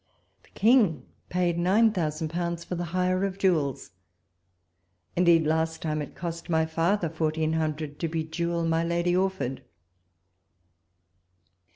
The King paid nine thousand pounds for the hire of jewels ; indeed, last time, it cost my father fourteen hundred to bejewel my Lady Orford.